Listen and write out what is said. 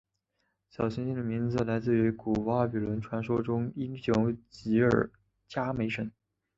小行星的名字来自古巴比伦传说中的英雄吉尔伽美什。